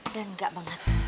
dan enggak banget